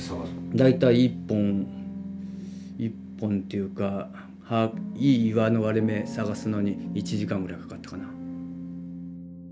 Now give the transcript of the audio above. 大体１本というかいい岩の割れ目探すのに１時間ぐらいかかったかな。